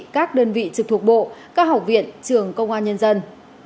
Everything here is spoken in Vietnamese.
các đơn vị trực thuộc bộ các học viện trường công an nhân dân